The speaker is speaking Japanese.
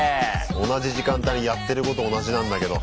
同じ時間帯にやってること同じなんだけど。